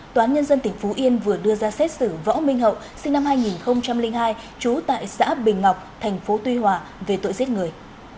toán nhân dân tỉnh phú yên vừa đưa ra xét xử võ minh hậu sinh năm hai nghìn hai chú tại xã bình ngọc tp tuy hòa về tội giết người